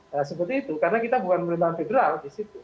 nah seperti itu karena kita bukan pemerintahan federal di situ